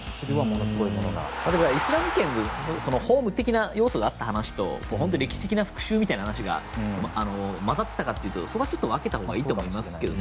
でも、イスラム圏というホーム的な要素があった話と歴史的な復讐みたいな話が混ざっていたかというとそれはちょっと分けたほうがいいと思いますけどね。